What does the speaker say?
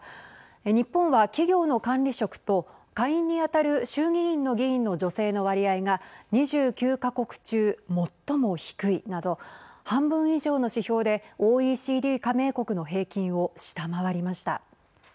日本は企業の管理職と下院に当たる衆議院の議員の女性の割合が２９か国中、最も低いなど半分以上の指標でＯＥＣＤ加盟国の平均を下回りました。